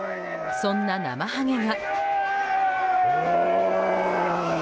そんなナマハゲが。